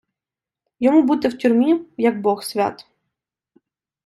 Йому бути в тюрмі як бог свят.